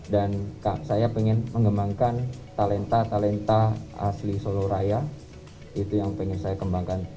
dan saya ingin mengembangkan talenta talenta asli solo raya itu yang ingin saya kembangkan